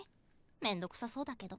めんどくさそうだけど。